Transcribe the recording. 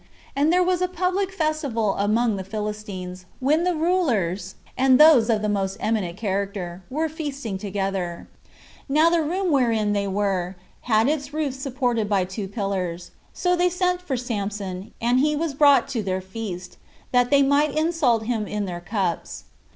And there was a public festival among the Philistines, when the rulers, and those of the most eminent character, were feasting together; [now the room wherein they were had its roof supported by two pillars;] so they sent for Samson, and he was brought to their feast, that they might insult him in their cups.